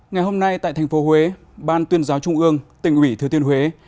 ngày hôm nay tại thành phố huế ban tuyên giáo trung ương tỉnh ủy thứ tiên huế